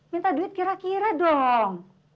minta duit kira kira dong